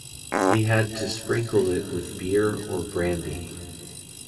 He had to sprinkle it with beer or brandy.